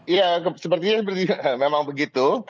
ya sepertinya memang begitu